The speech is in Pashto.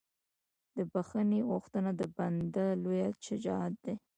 د بښنې غوښتنه د بنده لویه شجاعت ده.